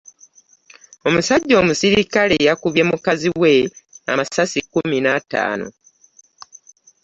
Omusajja omusirikale yakubye mukazi we amasasi kkumi n'ataano.